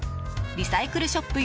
リサイクルショップ